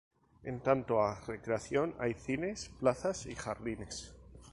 En tanto a recreación hay cines, plazas y jardines.